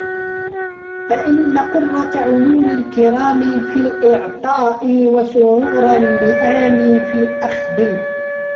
فَإِنَّ قُرَّةَ عُيُونِ الْكِرَامِ فِي الْإِعْطَاءِ وَسُرُورَ اللِّئَامِ فِي الْأَخْذِ